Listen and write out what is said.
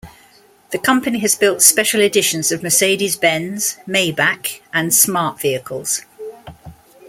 The company has built special editions of Mercedes-Benz, Maybach, and Smart vehicles.